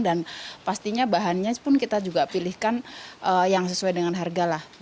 dan pastinya bahannya pun kita juga pilihkan yang sesuai dengan harga lah